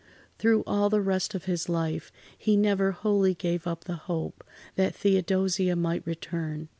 Through all the rest of his life, he never wholly gave up the hope that Theodosia might return.